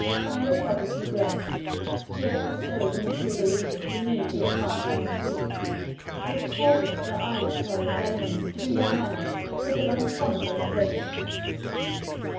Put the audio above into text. May the Prophet be blessed, who hath bestowed on the true believers the means of advance and retreat, which causeth their iron clothed enemies to be worn out with their own ponderous weight!